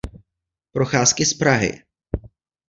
Procházky z Prahy.